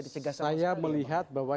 dicegah sama sekali saya melihat bahwa